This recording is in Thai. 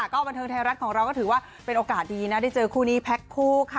ก็บันเทิงไทยรัฐของเราก็ถือว่าเป็นโอกาสดีนะได้เจอคู่นี้แพ็คคู่ค่ะ